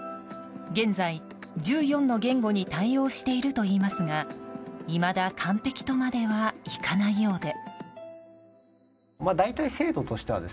現在、１４の言語に対応しているといいますがいまだ完璧とまではいかないようで。